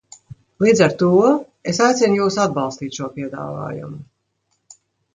Līdz ar to es aicinu jūs atbalstīt šo piedāvājumu.